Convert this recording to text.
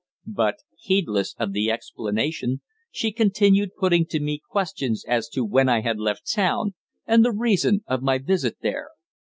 But, heedless of the explanation, she continued putting to me questions as to when I had left town, and the reason of my visit there.